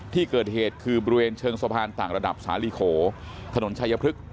ที่เกิดเหตุคือบริเวณเชิงสะพานต่างระดับสาลีโขถนนชายพฤกษ